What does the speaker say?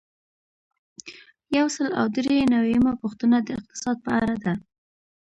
یو سل او درې نوي یمه پوښتنه د اقتصاد په اړه ده.